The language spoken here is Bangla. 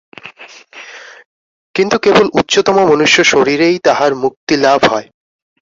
কিন্তু কেবল উচ্চতম মনুষ্যশরীরেই তাহার মুক্তিলাভ হয়।